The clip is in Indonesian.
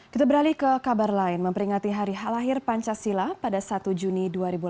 kita beralih ke kabar lain memperingati hari hal lahir pancasila pada satu juni dua ribu delapan belas